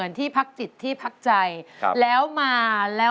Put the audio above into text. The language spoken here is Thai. ร้องได้ให้ร้าง